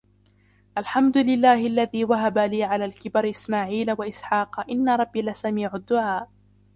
الحمد لله الذي وهب لي على الكبر إسماعيل وإسحاق إن ربي لسميع الدعاء